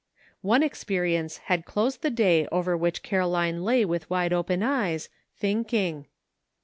Qne experience had closed the day over which Caroline lay with wide open eyes, thinking.